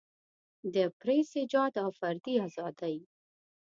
د پریس ایجاد او فردي ازادۍ.